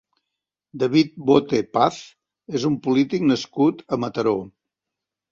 David Bote Paz és un polític nascut a Mataró.